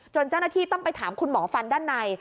เจ้าหน้าที่ต้องไปถามคุณหมอฟันด้านใน